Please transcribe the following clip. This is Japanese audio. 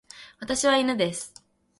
私は犬です。